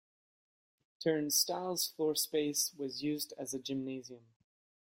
Turn Style's floor space was used as a gymnasium.